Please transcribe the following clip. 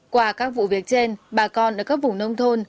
qua các vụ việc trên bà con ở các vùng nông thôn